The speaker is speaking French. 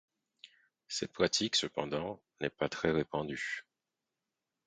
Cette pratique, cependant, n'est pas très répandue.